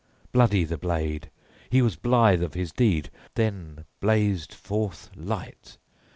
Bloody the blade: he was blithe of his deed. Then blazed forth light.